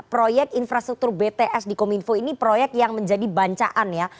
proyek infrastruktur bts di kominfo ini proyek yang menjadi bancaan ya